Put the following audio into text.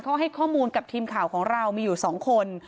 เขาให้ข้อมูลกับทีมข่าวของเรามีอยู่๒คน